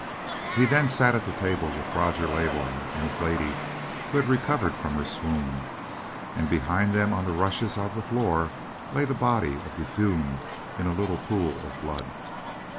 He then sat at the table with Roger Leybourn and his lady, who had recovered from her swoon, and behind them on the rushes of the floor lay the body of De Fulm in a little pool of blood.